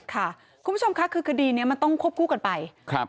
คุณผู้ชมค่ะคือคดีนี้มันต้องควบคู่กันไปครับ